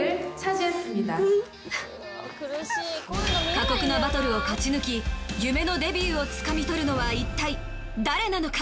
過酷なバトルを勝ち抜き夢のデビューをつかみ取るのは一体誰なのか？